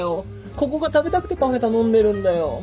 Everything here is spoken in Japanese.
ここが食べたくてパフェ頼んでるんだよ。